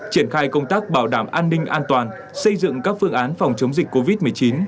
triển khai công tác bảo đảm an ninh an toàn xây dựng các phương án phòng chống dịch covid một mươi chín